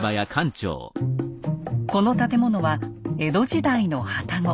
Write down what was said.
この建物は江戸時代の旅籠。